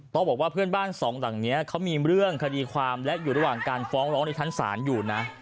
ต้องบอกว่าเพื่อนบ้านสองหลังนี้เขามีเรื่องคดีความและอยู่ระหว่างการฟ้องร้องในชั้นศาลอยู่นะ